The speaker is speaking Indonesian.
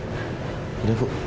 aku yakin kalau ibu gak mau